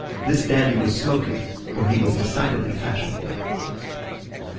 This dandy was smoking, for he was decidedly fashionable.